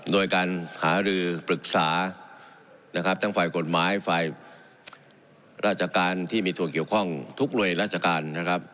โดยการหารือปรึกษานะครับทั้งฝ่ายกฎหมายฝ่ายราชการที่มีส่วนเกี่ยวข้องทุกหน่วยราชการนะครับ